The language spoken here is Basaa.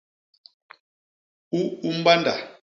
U u mbanda.